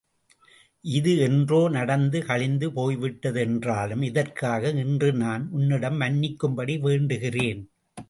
இது என்றோ நடந்து கழிந்து போய்விட்டது என்றாலும் இதற்காக இன்று நான் உன்னிடம் மன்னிக்கும்படி வேண்டுகிறேன்!